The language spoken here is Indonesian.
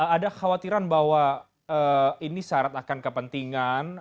ada khawatiran bahwa ini syarat akan kepentingan